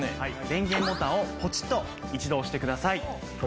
電源ボタンをポチッと一度押してください。